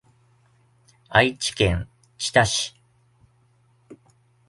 愛知県知多市